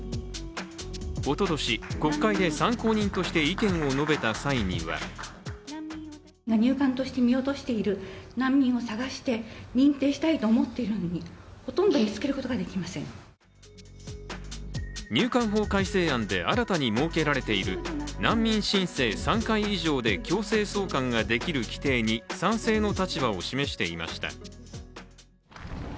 おととし、国会で参考人として意見を述べた際には入管法改正案で新たに設けられている難民申請３回以上で強制送還ができる規定に賛成の立場を示していました。